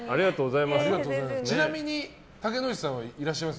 ちなみに竹野内さんはいらっしゃいます？